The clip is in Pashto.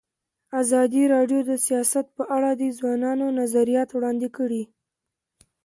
ازادي راډیو د سیاست په اړه د ځوانانو نظریات وړاندې کړي.